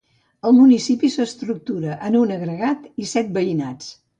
El municipi s'estructura en un agregat i set veïnats.